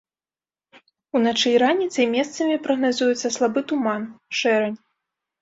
Уначы і раніцай месцамі прагназуецца слабы туман, шэрань.